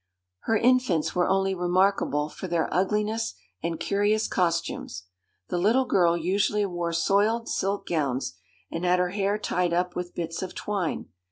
Her infants were only remarkable for their ugliness and curious costumes. The little girl usually wore soiled silk gowns, and had her hair tied up with bits of twine.